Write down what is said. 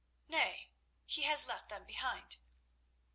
"Nay, he has left them behind."